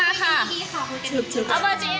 เอาเบอร์จริง